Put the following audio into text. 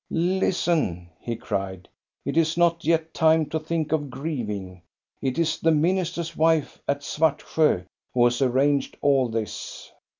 " Listen," he cried, " it is not yet time to think of grieving. It is the minister's wife at Svartsjo who has arranged ail this.